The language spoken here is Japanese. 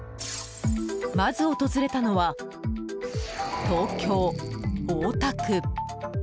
まず訪れたのは、東京・大田区。